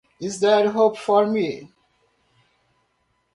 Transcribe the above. Is there hope for me?